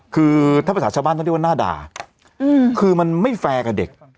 คือถ้าภาษาชาวบ้านต้องเรียกว่าหน้าด่าคือมันไม่แฟร์กับเด็ก